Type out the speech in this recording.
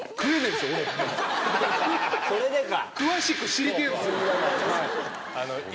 それでか。